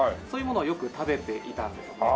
そういうものをよく食べていたんですね。